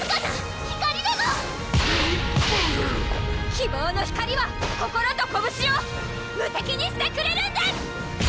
希望の光は心と拳を無敵にしてくれるんです！